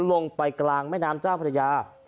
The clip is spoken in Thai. ลงไปกลางแม่น้ำเจ้าพระยา